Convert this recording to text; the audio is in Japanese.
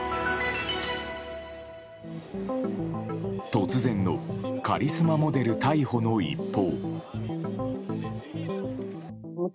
突然のカリスマモデル逮捕の一報。